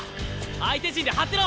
相手陣で張ってろ！